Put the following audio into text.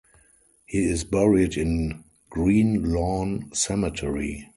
He is buried in Green Lawn Cemetery.